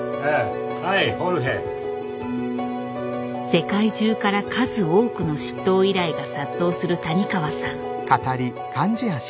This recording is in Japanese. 世界中から数多くの執刀依頼が殺到する谷川さん。